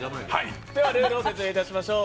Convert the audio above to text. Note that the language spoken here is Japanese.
ルールをご説明いたしましょう。